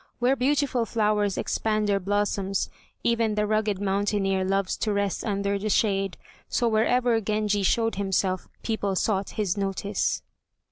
Where beautiful flowers expand their blossoms even the rugged mountaineer loves to rest under their shade, so wherever Genji showed himself people sought his notice.